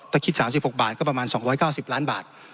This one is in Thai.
ถ้าคิด๓๖บาทก็ประมาณ๒๙๐ล้านบาท